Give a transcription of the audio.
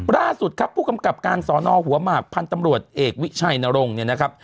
ล่าสุดครับผู้กำกับการสอนอหัวหมากพันธุ์ตำรวจเอกวิชัยนรงค์เนี่ยนะครับ